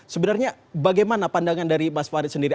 sebenarnya bagaimana pandangan dari mas farid sendiri